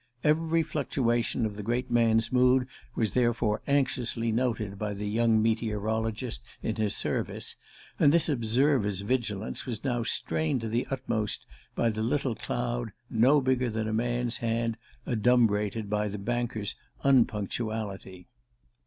Every fluctuation of the great man's mood was therefore anxiously noted by the young meteorologist in his service; and this observer's vigilance was now strained to the utmost by the little cloud, no bigger than a man's hand, adumbrated by the banker's unpunctuality.